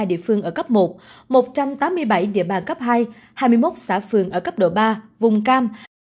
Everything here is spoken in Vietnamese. ba trăm một mươi hai địa phương ở cấp một một trăm tám mươi bảy địa bàn cấp hai hai mươi một xã phường ở cấp độ ba vùng cam